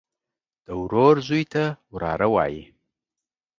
د ورور زوى ته وراره وايي.